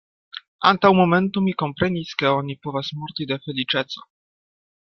Antaŭ momento mi komprenis, ke oni povas morti de feliĉeco.